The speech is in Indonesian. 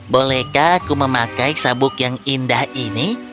bolehkah aku memakai sabuk yang indah ini